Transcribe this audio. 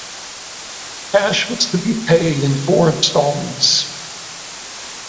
The cash was to be paid in four installments.